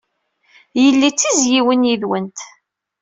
Yelli d tizzyiwin yid-went.